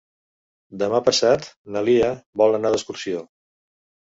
Demà passat na Lia vol anar d'excursió.